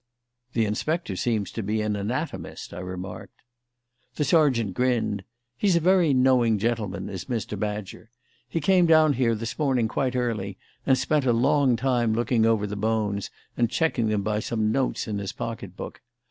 "The inspector seems to be an anatomist," I remarked. The sergeant grinned. "He's a very knowing gentleman, is Mr. Badger. He came down here this morning quite early and spent a long time looking over the bones and checking them by some notes in his pocket book.